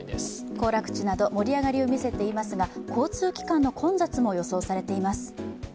行楽地など盛り上がりを見せていますが交通機関の混雑も予想されています。